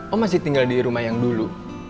oh masih tinggal di rumah yang dulu